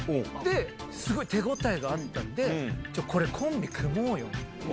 すごい手応えがあったんで、ちょっと、これ、コンビ組もうよって。